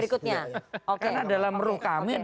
karena dalam rukh kami